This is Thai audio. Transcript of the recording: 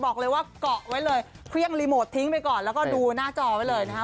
บอกเลยว่าเกาะไว้เลยเครื่องรีโมททิ้งไปก่อนแล้วก็ดูหน้าจอไว้เลยนะคะ